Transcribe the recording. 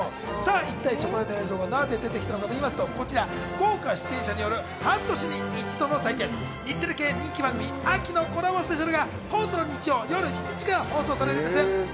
一体なぜ、そこらへんの映像が出てきたかといいますと、豪華出演者による半年に一度の祭典『日テレ系人気番組秋のコラボＳＰ！』が今度の日曜夜７時から放送されるんです。